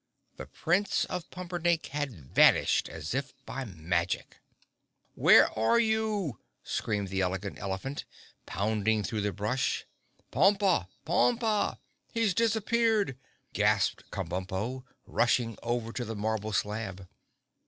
The Prince of Pumperdink had vanished, as if by magic. "Where are you?" screamed the Elegant Elephant, pounding through the brush. "Pompa! Pompa! He's disappeared," gasped Kabumpo, rushing over to the marble slab.